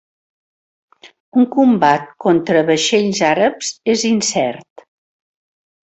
Un combat contra vaixells àrabs és incert.